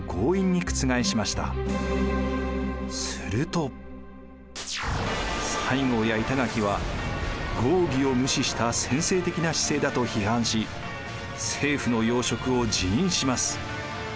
当時政府は西郷や板垣は合議を無視した専制的な姿勢だと批判し政府の要職を辞任します。